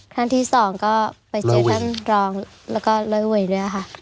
ครั้งที่สองก็ไปเจอท่านรองแล้วก็ร้อยเวยด้วยค่ะ